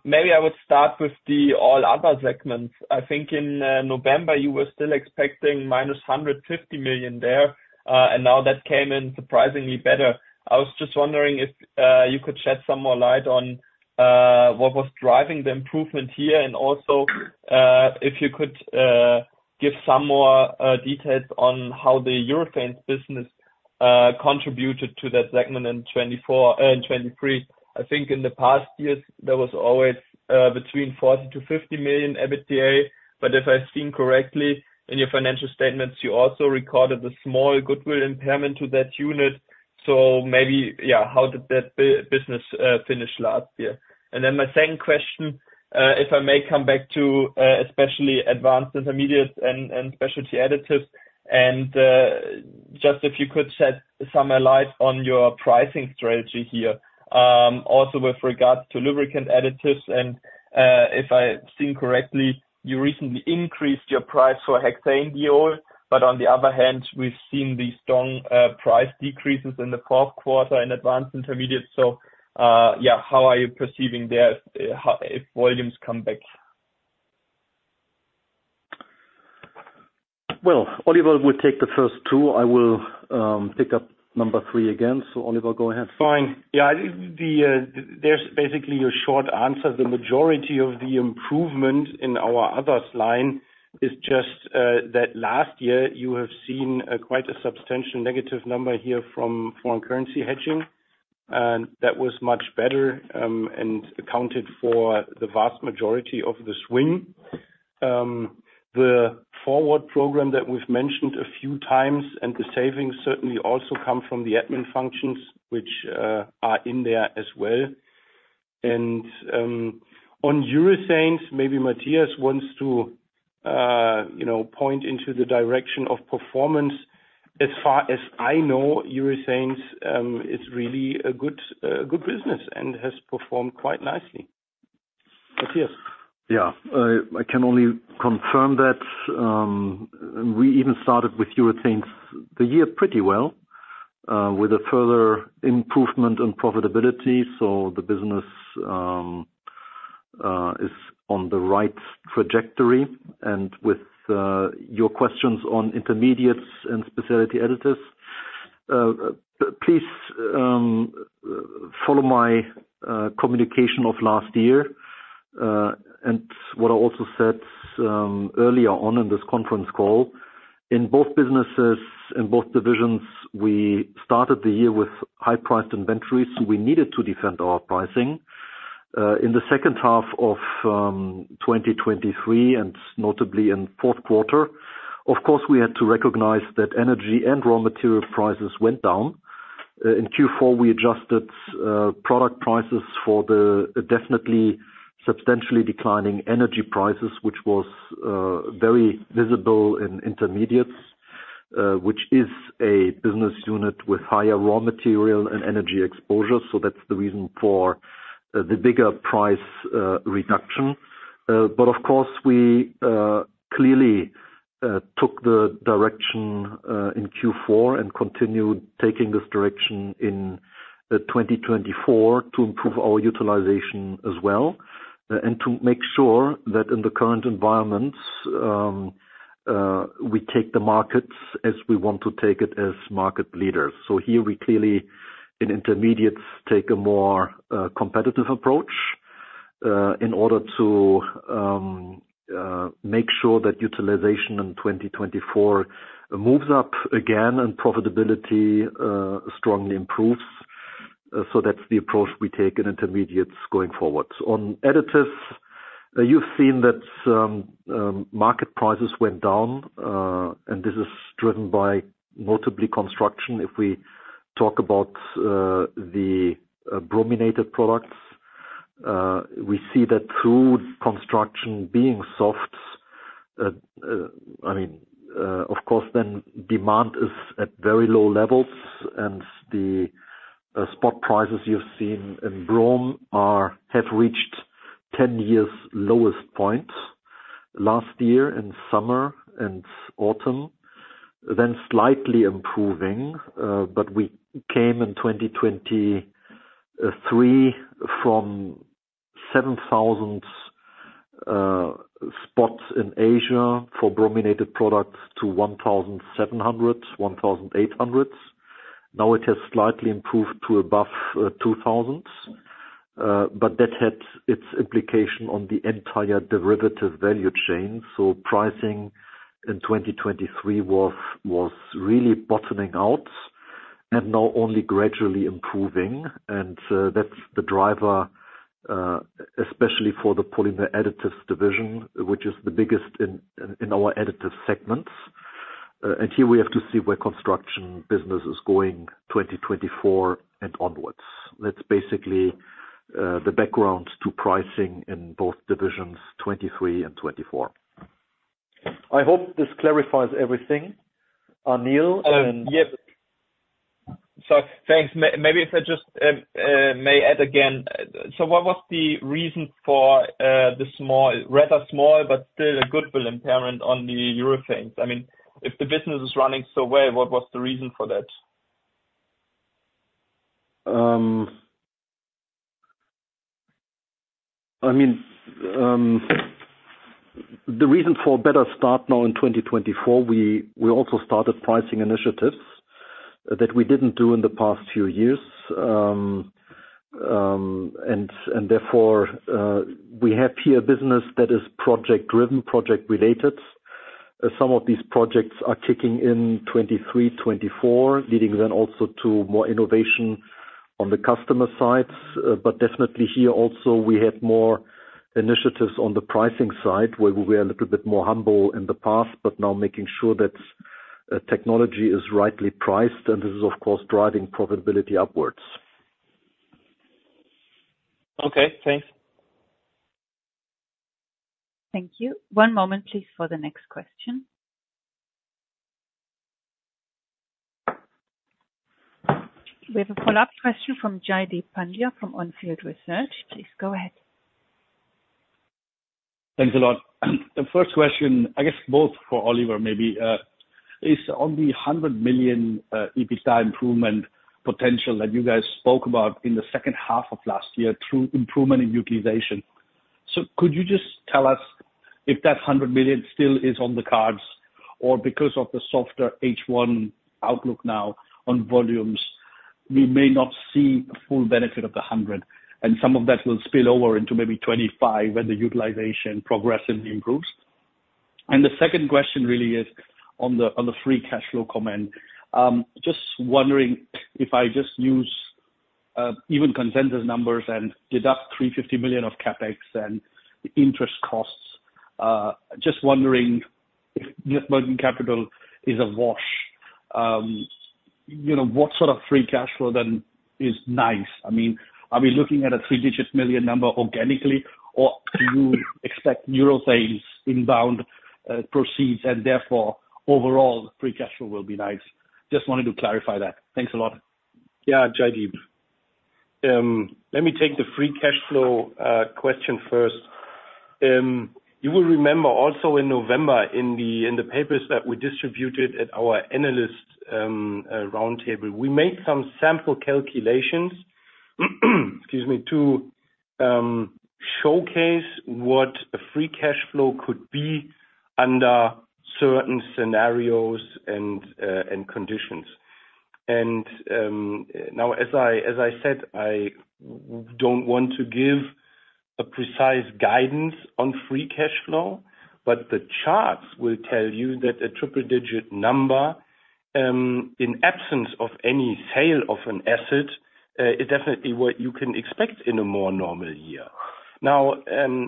S10: Maybe I would start with the all other segments. I think in November, you were still expecting -150 million there. And now that came in surprisingly better. I was just wondering if you could shed some more light on what was driving the improvement here and also if you could give some more details on how the urethane business contributed to that segment in 2023. I think in the past years, there was always between 40 million-50 million EBITDA. But if I've seen correctly, in your financial statements, you also recorded a small goodwill impairment to that unit. So maybe, yeah, how did that business finish last year? And then my second question, if I may come back to especially advanced intermediates and specialty additives, and just if you could shed some light on your pricing strategy here, also with regards to lubricant additives. And if I've seen correctly, you recently increased your price for hexanediol. But on the other hand, we've seen the strong price decreases in the fourth quarter in advanced intermediates. So yeah, how are you perceiving there if volumes come back?
S3: Well, Oliver would take the first two. I will pick up number three again. So Oliver, go ahead.
S5: Fine. Yeah. There's basically your short answer. The majority of the improvement in our others line is just that last year, you have seen quite a substantial negative number here from foreign currency hedging. That was much better and accounted for the vast majority of the swing. The forward program that we've mentioned a few times and the savings certainly also come from the admin functions, which are in there as well. And on urethanes, maybe Matthias wants to point into the direction of performance. As far as I know, urethanes is really a good business and has performed quite nicely. Matthias?
S3: Yeah. I can only confirm that we even started with urethanes the year pretty well with a further improvement in profitability. So the business is on the right trajectory. With your questions on intermediates and specialty additives, please follow my communication of last year and what I also said earlier on in this conference call. In both businesses, in both divisions, we started the year with high-priced inventories. So we needed to defend our pricing in the second half of 2023 and notably in fourth quarter. Of course, we had to recognize that energy and raw material prices went down. In Q4, we adjusted product prices for the definitely substantially declining energy prices, which was very visible in intermediates, which is a business unit with higher raw material and energy exposure. So that's the reason for the bigger price reduction. But of course, we clearly took the direction in Q4 and continued taking this direction in 2024 to improve our utilization as well and to make sure that in the current environments, we take the markets as we want to take it as market leaders. So here, we clearly, in intermediates, take a more competitive approach in order to make sure that utilization in 2024 moves up again and profitability strongly improves. So that's the approach we take in intermediates going forward. On additives, you've seen that market prices went down. And this is driven by notably construction. If we talk about the brominated products, we see that through construction being soft, I mean, of course, then demand is at very low levels. And the spot prices you've seen in bromine have reached 10 years' lowest point last year in summer and autumn, then slightly improving. We came in 2023 from 7,000 spots in Asia for brominated products to 1,700, 1,800. Now, it has slightly improved to above 2,000. But that had its implication on the entire derivative value chain. So pricing in 2023 was really bottoming out and now only gradually improving. And that's the driver, especially for the Polymer Additives division, which is the biggest in our additive segments. And here, we have to see where construction business is going 2024 and onwards. That's basically the background to pricing in both divisions, 2023 and 2024.
S5: I hope this clarifies everything, Anil.
S9: Yep. So thanks. Maybe if I just may add again, so what was the reason for the small, rather small, but still a goodwill impairment on the urethanes? I mean, if the business is running so well, what was the reason for that?
S3: I mean, the reason for a better start now in 2024, we also started pricing initiatives that we didn't do in the past few years. And therefore, we have here a business that is project-driven, project-related. Some of these projects are kicking in 2023, 2024, leading then also to more innovation on the customer side. But definitely here, also, we had more initiatives on the pricing side where we were a little bit more humble in the past, but now making sure that technology is rightly priced. And this is, of course, driving profitability upwards.
S9: Okay. Thanks.
S1: Thank you. One moment, please, for the next question. We have a follow-up question from Jaideep Pandya from Onfield Research. Please go ahead.
S7: Thanks a lot. The first question, I guess both for Oliver maybe, is on the 100 million EBITDA improvement potential that you guys spoke about in the second half of last year through improvement in utilization. So could you just tell us if that 100 million still is on the cards or because of the softer H1 outlook now on volumes, we may not see full benefit of the 100? And some of that will spill over into maybe 2025 when the utilization progressively improves. And the second question really is on the free cash flow comment. Just wondering if I just use even consensus numbers and deduct 350 million of CapEx and interest costs, just wondering if net working capital is a wash, what sort of free cash flow then is nice? I mean, are we looking at a three-digit million EUR number organically, or do you expect urethanes inbound proceeds and therefore, overall, free cash flow will be nice? Just wanted to clarify that. Thanks a lot.
S5: Yeah. Jaideep, let me take the free cash flow question first. You will remember also in November, in the papers that we distributed at our analyst roundtable, we made some sample calculations - excuse me - to showcase what a free cash flow could be under certain scenarios and conditions. Now, as I said, I don't want to give a precise guidance on free cash flow. But the charts will tell you that a triple-digit number in absence of any sale of an asset is definitely what you can expect in a more normal year. Now,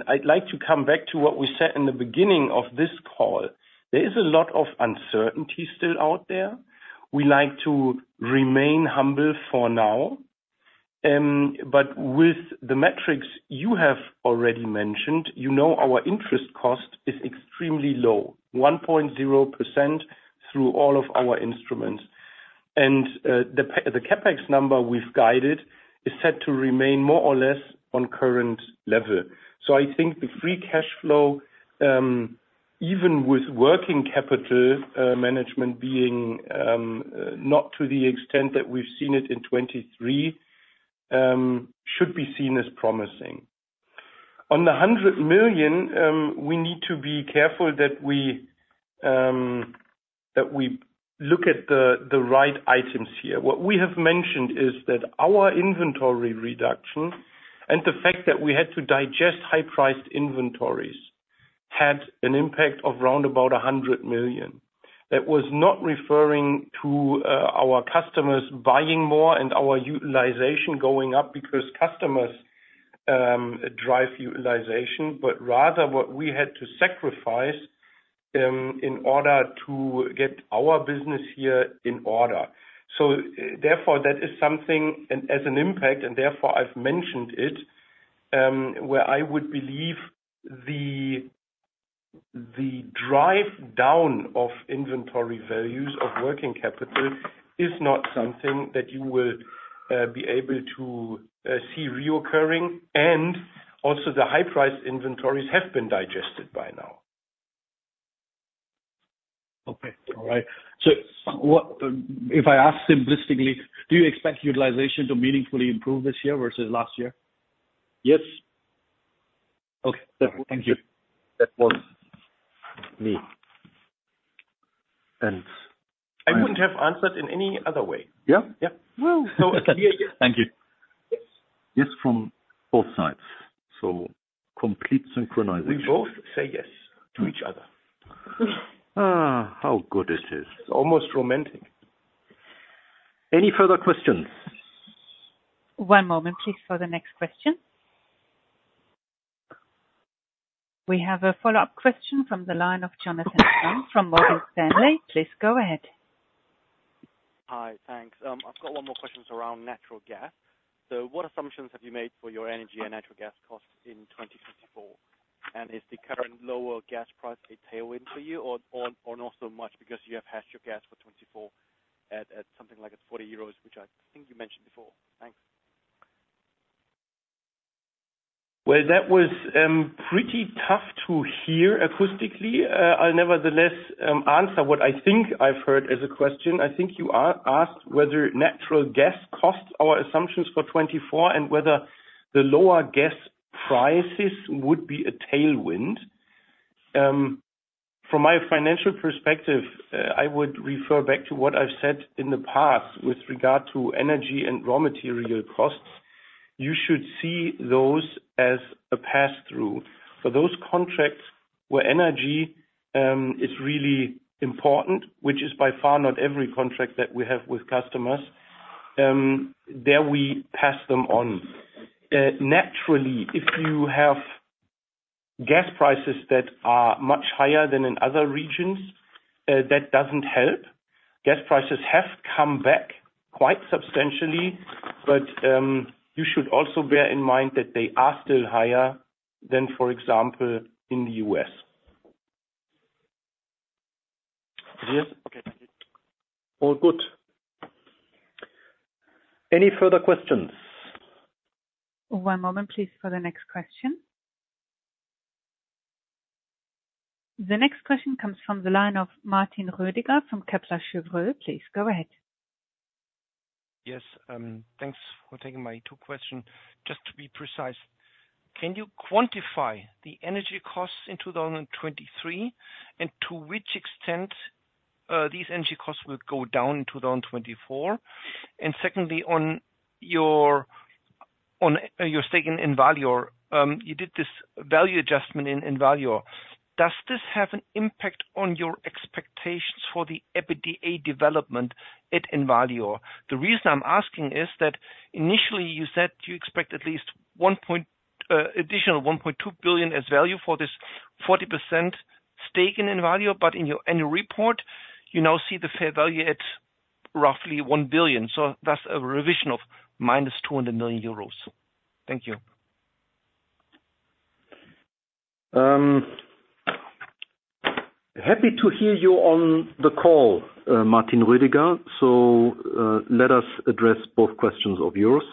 S5: I'd like to come back to what we said in the beginning of this call. There is a lot of uncertainty still out there. We like to remain humble for now. But with the metrics you have already mentioned, you know our interest cost is extremely low, 1.0% through all of our instruments. The CapEx number we've guided is set to remain more or less on current level. I think the free cash flow, even with working capital management being not to the extent that we've seen it in 2023, should be seen as promising. On the 100 million, we need to be careful that we look at the right items here. What we have mentioned is that our inventory reduction and the fact that we had to digest high-priced inventories had an impact of round about 100 million. That was not referring to our customers buying more and our utilization going up because customers drive utilization, but rather what we had to sacrifice in order to get our business here in order. So therefore, that is something as an impact, and therefore, I've mentioned it, where I would believe the drive down of inventory values of working capital is not something that you will be able to see recurring. And also, the high-priced inventories have been digested by now.
S7: Okay. All right. So if I ask simplistically, do you expect utilization to meaningfully improve this year versus last year?
S5: Yes.
S7: Okay. Thank you.
S5: That was me.
S3: I wouldn't have answered in any other way. Yeah. Yeah. So here.
S5: Thank you. Yes.
S3: Yes, from both sides. So complete synchronization.
S5: We both say yes to each other.
S3: How good it is.
S5: It's almost romantic.
S3: Any further questions?
S1: One moment, please, for the next question. We have a follow-up question from the line of Jonathan Chung from Morgan Stanley. Please go ahead.
S4: Hi. Thanks. I've got one more question around natural gas. So what assumptions have you made for your energy and natural gas costs in 2024? And is the current lower gas price a tailwind for you or not so much because you have hedged your gas for 2024 at something like at 40 euros, which I think you mentioned before? Thanks.
S3: Well, that was pretty tough to hear acoustically. I'll nevertheless answer what I think I've heard as a question. I think you asked whether natural gas costs our assumptions for 2024 and whether the lower gas prices would be a tailwind. From my financial perspective, I would refer back to what I've said in the past with regard to energy and raw material costs. You should see those as a pass-through. For those contracts where energy is really important, which is by far not every contract that we have with customers, there we pass them on. Naturally, if you have gas prices that are much higher than in other regions, that doesn't help. Gas prices have come back quite substantially. But you should also bear in mind that they are still higher than, for example, in the U.S. Yes.
S4: Okay. Thank you.
S3: All good. Any further questions?
S1: One moment, please, for the next question. The next question comes from the line of Martin Rödiger from Kepler Cheuvreux. Please go ahead.
S11: Yes. Thanks for taking my two questions. Just to be precise, can you quantify the energy costs in 2023 and to which extent these energy costs will go down in 2024? And secondly, on your statement in Envalior, you did this value adjustment in Envalior. Does this have an impact on your expectations for the JV development at Envalior? The reason I'm asking is that initially, you said you expect at least additional 1.2 billion as value for this 40% stake in Envalior. But in your annual report, you now see the fair value at roughly 1 billion. So that's a revision of minus 200 million euros. Thank you.
S3: Happy to hear you on the call, Martin Rödiger. Let us address both questions of yours.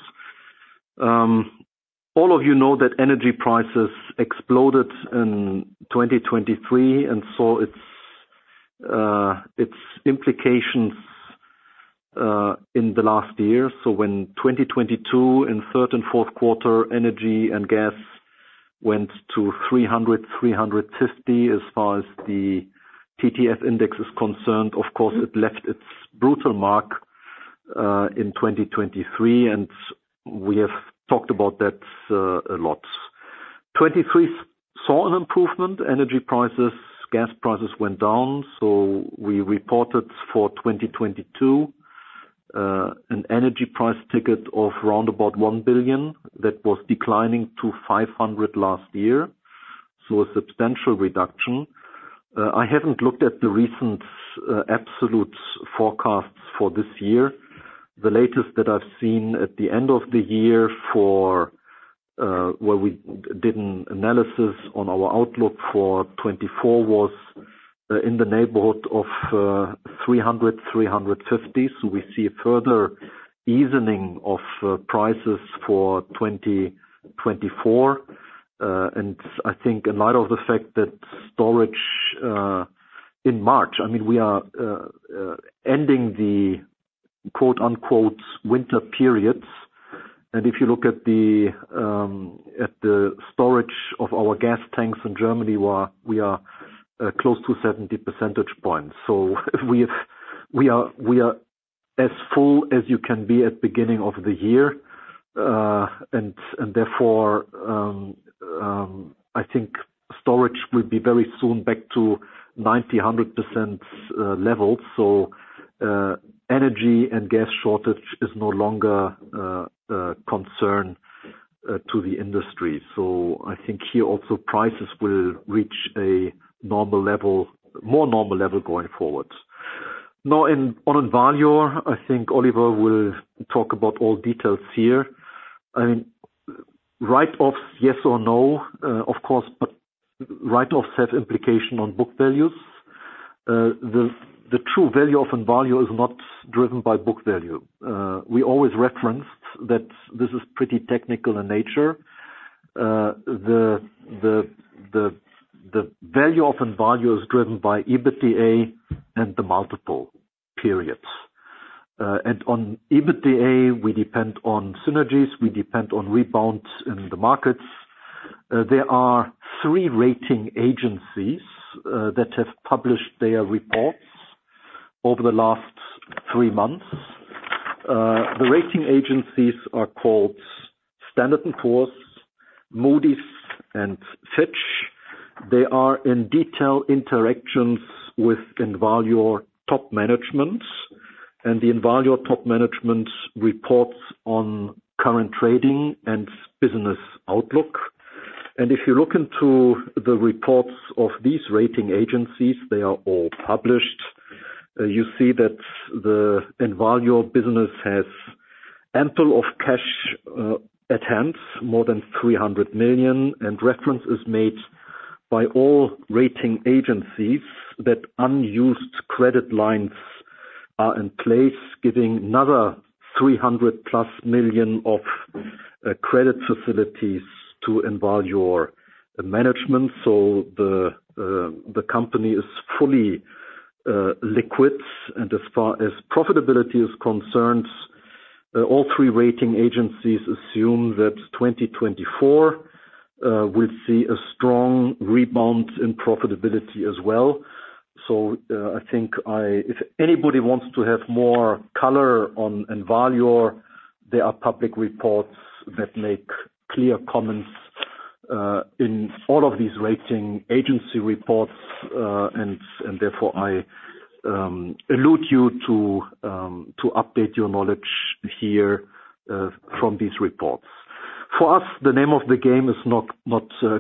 S3: All of you know that energy prices exploded in 2023 and saw its implications in the last year. When 2022, in third and fourth quarter, energy and gas went to 300-350 as far as the TTF Index is concerned, of course, it left its brutal mark in 2023. We have talked about that a lot. '23 saw an improvement. Energy prices, gas prices went down. We reported for 2022 an energy price ticket of round about 1 billion that was declining to 500 million last year. A substantial reduction. I haven't looked at the recent absolute forecasts for this year. The latest that I've seen at the end of the year for where we did an analysis on our outlook for '24 was in the neighborhood of 300-350. So we see a further easing of prices for 2024. And I think in light of the fact that storage in March, I mean, we are ending the "winter periods." And if you look at the storage of our gas tanks in Germany, we are close to 70 percentage points. So we are as full as you can be at beginning of the year. And therefore, I think storage will be very soon back to 90%-100% levels. So energy and gas shortage is no longer a concern to the industry. So I think here also, prices will reach a more normal level going forward. Now, on Envalior, I think Oliver will talk about all details here. I mean, write-offs, yes or no, of course, but write-offs have implication on book values. The true value of Envalior is not driven by book value. We always referenced that this is pretty technical in nature. The value of Envalior is driven by EBITDA and the multiple periods. On EBITDA, we depend on synergies. We depend on rebounds in the markets. There are three rating agencies that have published their reports over the last three months. The rating agencies are called Standard & Poor's, Moody's, and Fitch. They are in detailed interactions with Envalior top management. The Envalior top management reports on current trading and business outlook. If you look into the reports of these rating agencies, they are all published, you see that the Envalior business has ample cash at hand, more than 300 million. Reference is made by all rating agencies that unused credit lines are in place, giving another 300+ million of credit facilities to Envalior management. The company is fully liquid. As far as profitability is concerned, all three rating agencies assume that 2024 will see a strong rebound in profitability as well. So I think if anybody wants to have more color on Envalior, there are public reports that make clear comments in all of these rating agency reports. And therefore, I would refer you to update your knowledge here from these reports. For us, the name of the game is not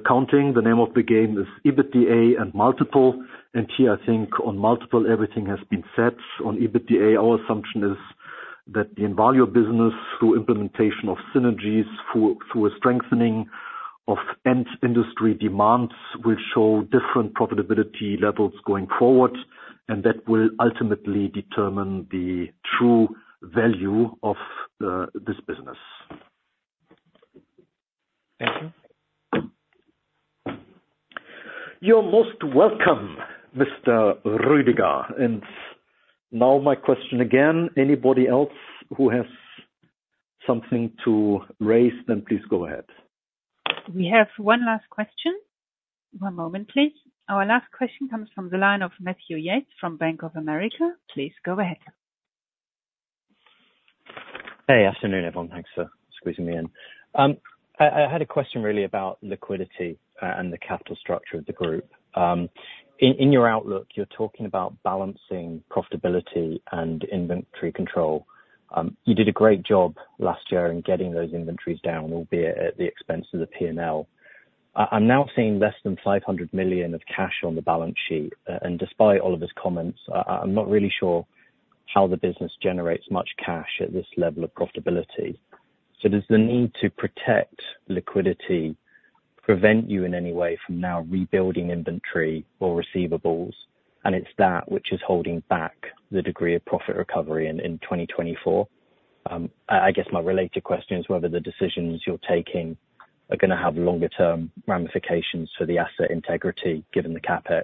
S3: counting. The name of the game is EBITDA and multiple. And here, I think on multiple, everything has been set. On EBITDA, our assumption is that the Envalior business, through implementation of synergies, through a strengthening of end-industry demands, will show different profitability levels going forward. And that will ultimately determine the true value of this business.
S11: Thank you.
S3: You're most welcome, Mr. Rödiger. And now my question again. Anybody else who has something to raise, then please go ahead.
S1: We have one last question. One moment, please. Our last question comes from the line of Matthew Yates from Bank of America. Please go ahead. Hey. Afternoon, everyone. Thanks for squeezing me in. I had a question really about liquidity and the capital structure of the group. In your outlook, you're talking about balancing profitability and inventory control. You did a great job last year in getting those inventories down, albeit at the expense of the P&L. I'm now seeing less than 500 million of cash on the balance sheet. And despite Oliver's comments, I'm not really sure how the business generates much cash at this level of profitability. So does the need to protect liquidity prevent you in any way from now rebuilding inventory or receivables? And it's that which is holding back the degree of profit recovery in 2024.
S12: I guess my related question is whether the decisions you're taking are going to have longer-term ramifications for the asset integrity given the CapEx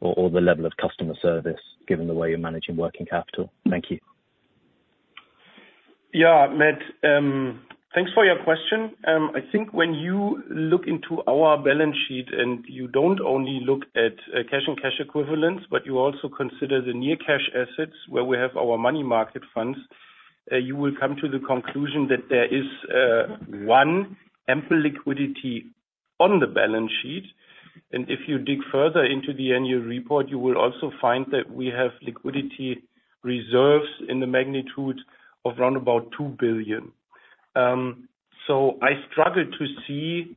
S12: or the level of customer service given the way you're managing working capital. Thank you.
S5: Yeah, Matt. Thanks for your question. I think when you look into our balance sheet and you don't only look at cash and cash equivalents, but you also consider the near-cash assets where we have our money market funds, you will come to the conclusion that there is one ample liquidity on the balance sheet. If you dig further into the annual report, you will also find that we have liquidity reserves in the magnitude of round about 2 billion. I struggle to see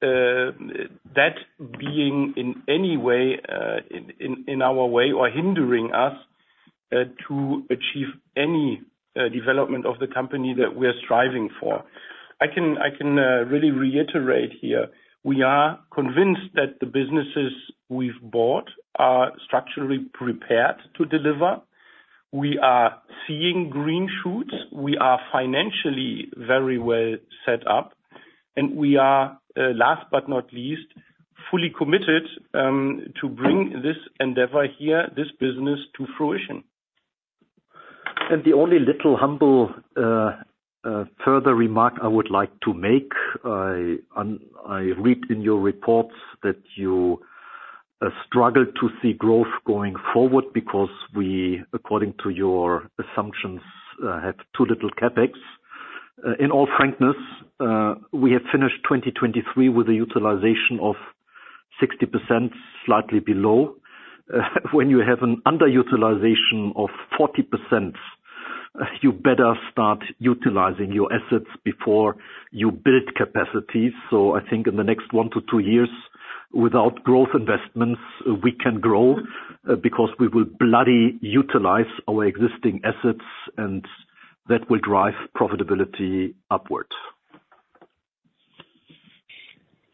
S5: that being in any way in our way or hindering us to achieve any development of the company that we are striving for. I can really reiterate here. We are convinced that the businesses we've bought are structurally prepared to deliver. We are seeing green shoots. We are financially very well set up. We are, last but not least, fully committed to bring this endeavor here, this business, to fruition.
S3: The only little humble further remark I would like to make, I read in your reports that you struggle to see growth going forward because we, according to your assumptions, have too little CapEx. In all frankness, we have finished 2023 with a utilization of 60%, slightly below. When you have an underutilization of 40%, you better start utilizing your assets before you build capacity. So I think in the next one-two years, without growth investments, we can grow because we will bloody utilize our existing assets. That will drive profitability upward.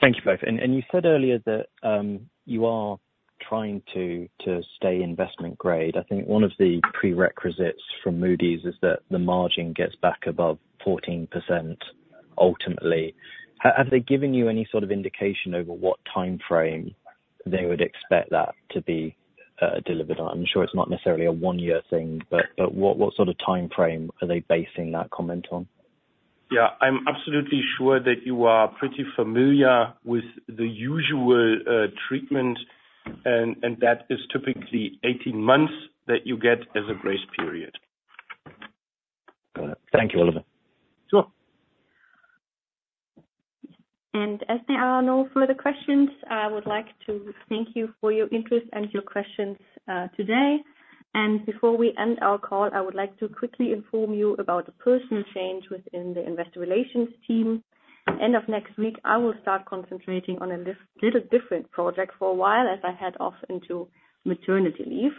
S12: Thank you both. And you said earlier that you are trying to stay investment grade. I think one of the prerequisites from Moody's is that the margin gets back above 14% ultimately. Have they given you any sort of indication over what time frame they would expect that to be delivered on? I'm sure it's not necessarily a one-year thing. But what sort of time frame are they basing that comment on?
S5: Yeah. I'm absolutely sure that you are pretty familiar with the usual treatment. That is typically 18 months that you get as a grace period.
S12: Got it. Thank you, Oliver.
S5: Sure.
S2: And as there are no further questions, I would like to thank you for your interest and your questions today. Before we end our call, I would like to quickly inform you about a personal change within the investor relations team. End of next week, I will start concentrating on a little different project for a while as I head off into maternity leave.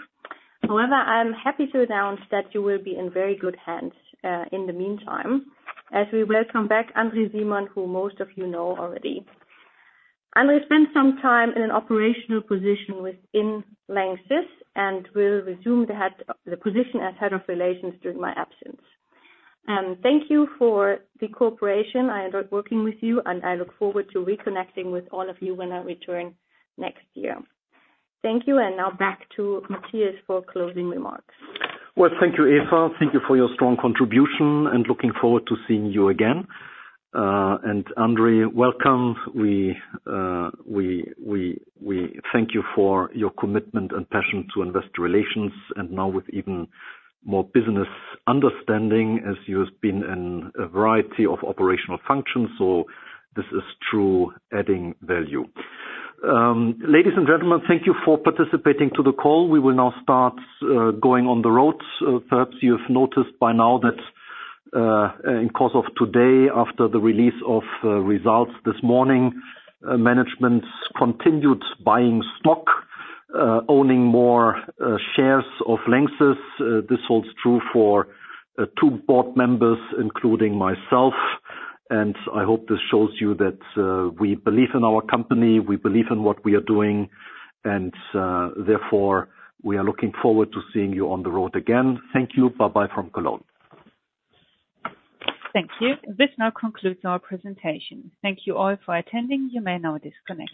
S2: However, I'm happy to announce that you will be in very good hands in the meantime as we welcome back Andre Simon, who most of you know already. Andre spent some time in an operational position within LANXESS and will resume the position as Head of Investor Relations during my absence. Thank you for the cooperation. I enjoyed working with you. And I look forward to reconnecting with all of you when I return next year. Thank you. And now back to Matthias for closing remarks.
S3: Well, thank you, Eva. Thank you for your strong contribution. Looking forward to seeing you again. Andre, welcome. We thank you for your commitment and passion to investor relations. Now with even more business understanding as you have been in a variety of operational functions. So this is truly adding value. Ladies and gentlemen, thank you for participating in the call. We will now start going on the road. Perhaps you have noticed by now that in the course of today, after the release of results this morning, management continued buying stock, owning more shares of LANXESS. This holds true for two board members, including myself. I hope this shows you that we believe in our company. We believe in what we are doing. Therefore, we are looking forward to seeing you on the road again. Thank you. Bye-bye from Cologne.
S1: Thank you. This now concludes our presentation. Thank you all for attending. You may now disconnect.